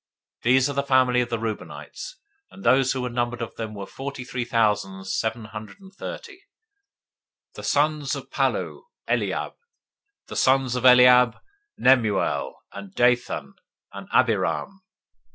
026:007 These are the families of the Reubenites; and those who were numbered of them were forty three thousand seven hundred thirty. 026:008 The sons of Pallu: Eliab. 026:009 The sons of Eliab: Nemuel, and Dathan, and Abiram.